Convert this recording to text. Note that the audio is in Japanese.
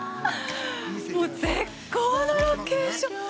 もう絶好のロケーション。